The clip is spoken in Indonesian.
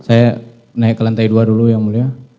saya naik ke lantai dua dulu yang mulia